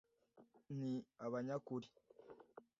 ni abanyakuri